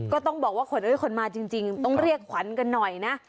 ก็ต้องบอกว่าขนเอ้ยขนมาจริงต้องเรียกขวัญกันหน่อยนะ